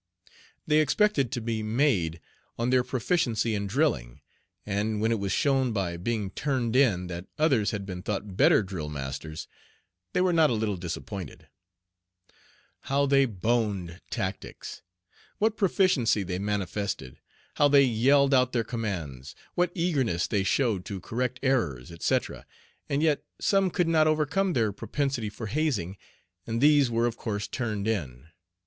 They expected to be "made" on their proficiency in drilling, and when it was shown by being "turned in" that others had been thought better drill masters, they were not a little disappointed. How they "boned" tactics! What proficiency they manifested! How they yelled out their commands! What eagerness they showed to correct errors, etc. And yet some could not overcome their propensity for hazing, and these were of course turned in.